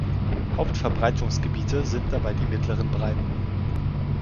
Hauptverbreitungsgebiete sind dabei die mittleren Breiten.